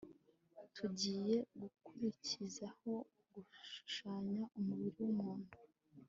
tugiye gukurikizaho gushushanya umubiri w'umuntu